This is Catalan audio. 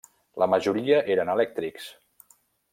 La majoria eren elèctrics.